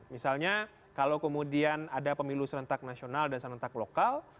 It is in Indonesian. misalnya kalau kemudian ada pemilu serentak nasional dan serentak lokal